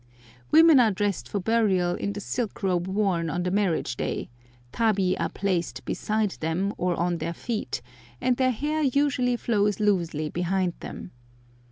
Women are dressed for burial in the silk robe worn on the marriage day, tabi are placed beside them or on their feet, and their hair usually flows loosely behind them.